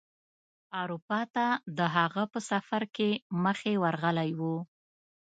اروپا ته د هغه په سفر کې مخې ورغلی و.